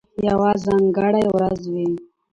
یوه ځانګړې ورځ وي،